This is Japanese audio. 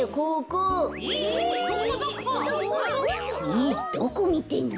えっどこみてんの？